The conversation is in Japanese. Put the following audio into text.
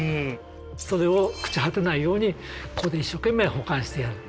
それを朽ち果てないようにここで一生懸命保管してやる。